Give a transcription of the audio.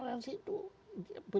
betulnya kita itu bisa kalau mau